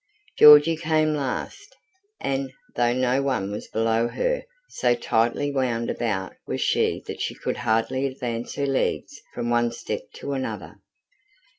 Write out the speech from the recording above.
Georgy came last, and, though no one was below her, so tightly wound about was she that she could hardly advance her legs from one step to another.